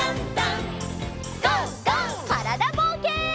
からだぼうけん。